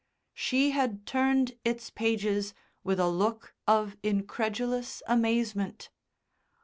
She had turned its pages with a look of incredulous amazement.